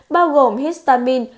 bao gồm histamine